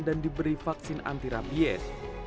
dan diberi vaksin anti rabies